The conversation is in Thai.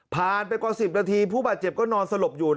ไปกว่า๑๐นาทีผู้บาดเจ็บก็นอนสลบอยู่